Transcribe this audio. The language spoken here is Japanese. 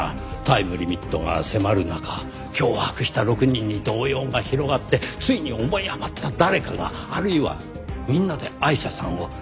タイムリミットが迫る中脅迫した６人に動揺が広がってついに思い余った誰かがあるいはみんなでアイシャさんを。